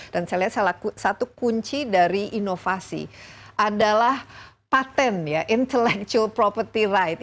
dan saya lihat salah satu kunci dari inovasi adalah patent intellectual property rights